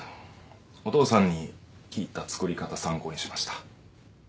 お父さんに聞いた作り方参考にしました。